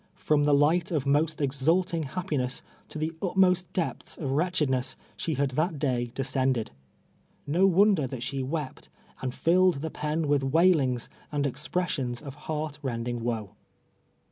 From the bight of most exulting happiness to the r.tmost deptlis of wretchedness, she had that day descended. ISo wonder that slu; we[)t, and filled the pen with Availings and expressions of heart rend ing woe.